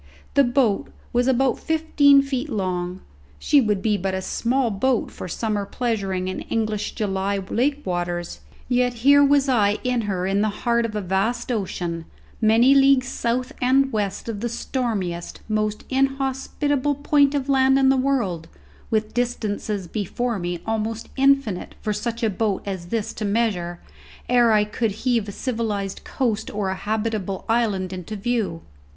The boat was about fifteen feet long; she would be but a small boat for summer pleasuring in English July lake waters, yet here was I in her in the heart of a vast ocean, many leagues south and west of the stormiest, most inhospitable point of land in the world, with distances before me almost infinite for such a boat as this to measure ere I could heave a civilized coast or a habitable island into view!